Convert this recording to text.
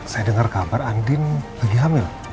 saya dengar kabar andin lagi hamil